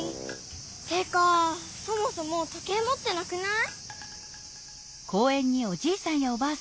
てかそもそも時計もってなくない？